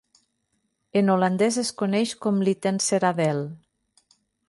En holandès es coneix com Littenseradeel.